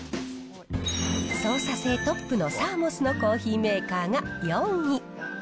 操作性トップのサーモスのコーヒーメーカーが４位。